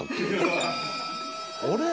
あれ？